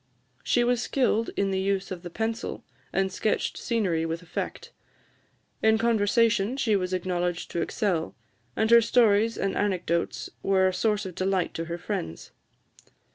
She was skilled in the use of the pencil, and sketched scenery with effect. In conversation she was acknowledged to excel; and her stories and anecdotes were a source of delight to her friends.